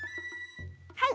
はい。